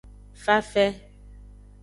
Fafe.